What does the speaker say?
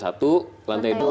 menganggap kedegaan ni